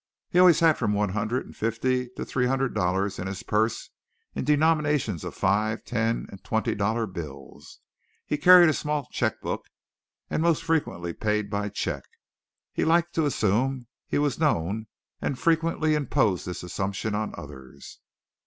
He always had from one hundred and fifty to three hundred dollars in his purse in denominations of five, ten and twenty dollar bills. He carried a small check book and most frequently paid by check. He liked to assume that he was known and frequently imposed this assumption on others.